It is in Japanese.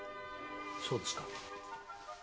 そうですか。